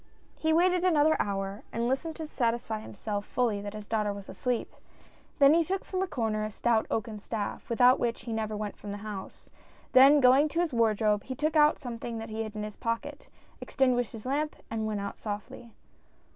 " He waited another hour, and listened to satisfy him self fully that his daughter was asleep, then he took from a corner a stout oaken staff, without which he never went from the house, then going to his wardrobe he took out something that he hid in his pocket, extin guished his lamp and went out softly.